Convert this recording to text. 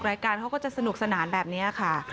รายการเขาก็จะสนุกสนานแบบนี้ค่ะ